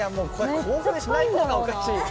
興奮しない方がおかしいよ